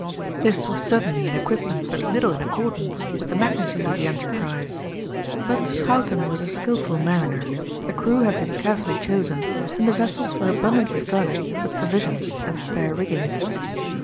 This was certainly an equipment but little in accordance with the magnitude of the enterprise. But Schouten was a skilful mariner, the crew had been carefully chosen, and the vessels were abundantly furnished with provisions and spare rigging.